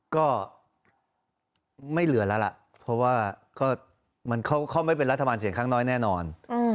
ก็ไม่เหลือแล้วเพราะว่าเป็นรัฐมาลังเสียงข้างน้อยแน่นอน